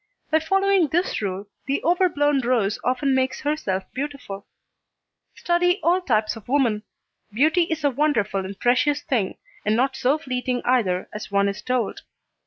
By following this rule the overblown rose often makes herself beautiful. Study all types of woman. Beauty is a wonderful and precious thing, and not so fleeting either as one is told.